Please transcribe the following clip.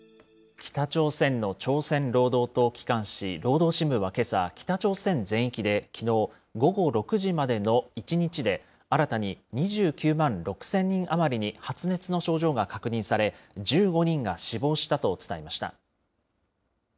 北朝鮮の朝鮮労働党機関紙、労働新聞はけさ、北朝鮮全域できのう、午後６時までの１日で、新たに２９万６０００人余りに、発熱の症状が確認され、１５人が死亡したと伝えました。